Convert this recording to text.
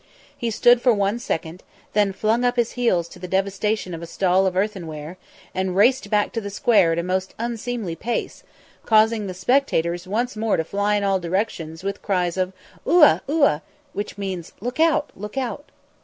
He stood for one second, then flung up his heels to the devastation of a stall of earthenware, and raced back to the square at a most unseemly pace, causing the spectators once more to fly in all directions with cries of "U'a u'a," which means, "Look out, look out!"